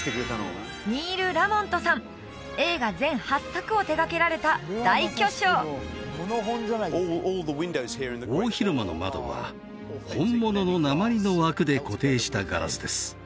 映画全８作を手がけられた大巨匠大広間の窓は本物の鉛の枠で固定したガラスです